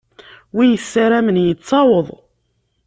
Win yessaramen yettaweḍ.